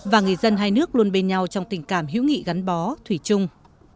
và người dân hai nước luôn bên nhau trong tình cảm hữu nghị gắn bó thủy chung